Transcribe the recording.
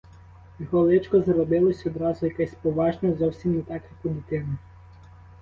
Його личко зробилось одразу якесь поважне, зовсім не так, як у дитини.